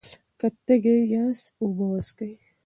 که تږي یاست، اوبه وڅښئ.